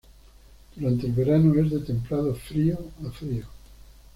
Durante el verano es de templado-frío a frío.